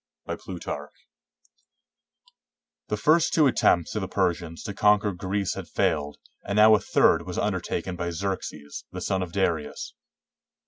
] BY PLUTARCH [The first two attempts of the Persians to conquer Greece had failed, and now a third was undertaken by Xerxes, the son of Darius.